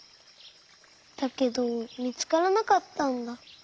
だけどみつからなかったんだ。